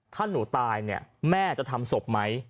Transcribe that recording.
ถ้าหนูตายแม่จะทำศพไหม